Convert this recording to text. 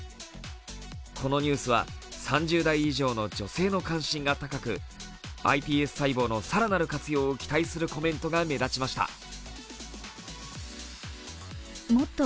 このニュースは３０代以上の女性の関心が高く、ｉＰＳ細胞の更なる活用を期待するコメントが目立ちました。